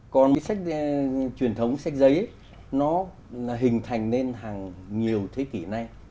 còn sách truyền thống sách giấy nó hình thành nên hàng nhiều thế kỷ nay